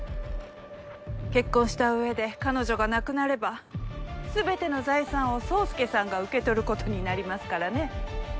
結婚した上で彼女が亡くなればすべての財産を宗介さんが受け取ることになりますからね。